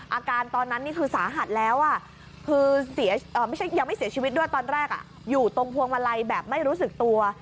อาการตอนนั้นนี่คือสาหัสแล้วคือยังไม่เสียชีวิตด้วยตอนแรกอยู่ตรงพวงมาลัยแบบไม่รู้สึกตัว